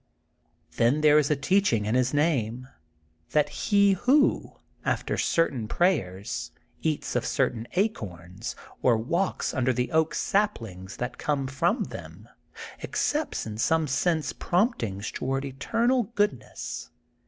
Then there is a teaching'ln his name that he who, after certain prayers, eats of certain acorns, or walks under the oak saplings that conde from them, accepts in some sense promptings toward eternal goodness.